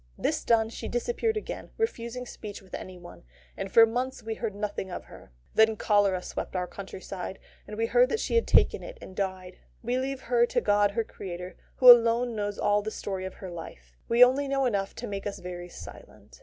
This done she disappeared again, refusing speech with anyone, and for months we heard nothing of her. Then cholera swept our countryside, and we heard she had taken it and died. We leave her to God her Creator, who alone knows all the story of her life: we only know enough to make us very silent.